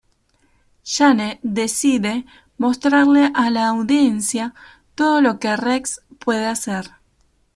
Shane decide mostrarle a la audiencia todo lo que Rex puede hacer.